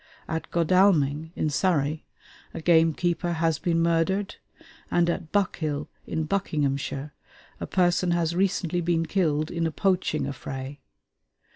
At Godalming, in Surrey, a gamekeeper has been murdered; and at Buckhill, in Buckinghamshire, a person has recently been killed in a poaching affray.